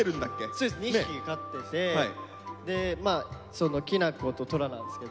そうです２匹飼っててきなこととらなんですけど。